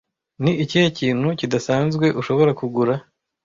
Ni ikihe kintu kidasanzwe ushobora kugura